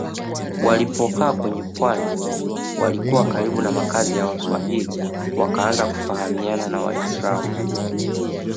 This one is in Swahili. Walipokaa kwenye pwani walikuwa karibu na makazi ya Waswahili wakaanza kufahamiana na Waislamu